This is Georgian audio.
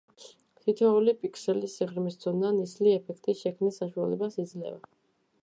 თითოელი პიქსელის სიღრმის ცოდნა ნისლი ეფექტის შექმნის საშუალებას იძლევა.